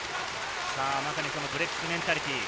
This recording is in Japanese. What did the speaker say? まさしくブレックスメンタリティー。